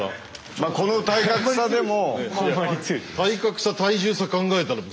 この体格差でも。